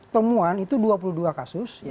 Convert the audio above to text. temuan itu dua puluh dua kasus